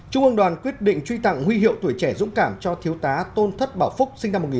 trung ương đoàn quyết định truy tặng huy hiệu tuổi trẻ dũng cảm cho thiếu tá tôn thất bảo phúc